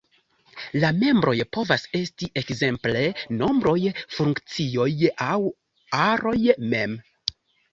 La membroj povas esti ekzemple nombroj, funkcioj, aŭ aroj mem.